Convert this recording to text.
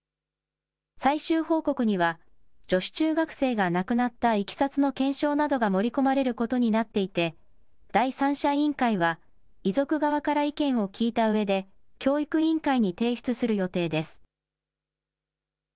最終報告には、女子中学生が亡くなったいきさつの検証などが盛り込まれることになっていて、第三者委員会は遺族側から意見を聞いたうえで、教育委員会に提出する予定です。